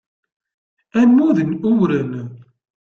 Ammud n uwren.